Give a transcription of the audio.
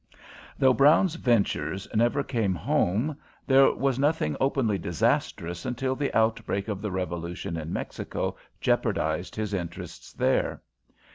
Though Brown's ventures never came home, there was nothing openly disastrous until the outbreak of the revolution in Mexico jeopardized his interests there.